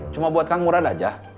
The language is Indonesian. cuma buat kang murad aja